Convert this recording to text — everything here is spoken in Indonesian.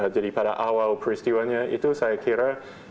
jadi pada awal peristiwanya itu saya kira